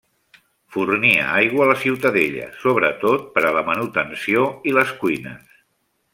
Fornia aigua a la ciutadella, sobretot per a la manutenció i les cuines.